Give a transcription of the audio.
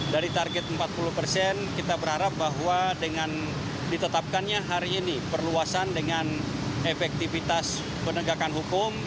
dari target empat puluh persen kita berharap bahwa dengan ditetapkannya hari ini perluasan dengan efektivitas penegakan hukum